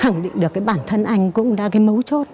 khẳng định được bản thân anh cũng đã mấu chốt